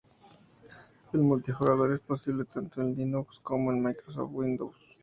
El multijugador es posible tanto en Linux como en Microsoft Windows.